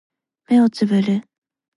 目をつぶる